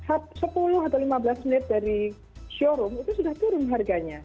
tahap sepuluh atau lima belas menit dari showroom itu sudah turun harganya